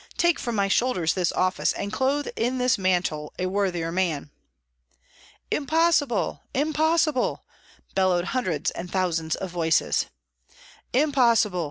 Take from my shoulders this office, and clothe in this mantle a worthier man!" "Impossible! impossible!" bellowed hundreds and thousands of voices. "Impossible!"